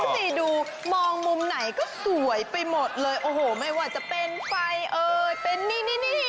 สิดูมองมุมไหนก็สวยไปหมดเลยโอ้โหไม่ว่าจะเป็นไฟเอ่ยเป็นนี่นี่